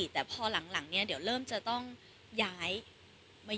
แต่พอหลังมนุ่งต้องแย้นมาใกล้กัน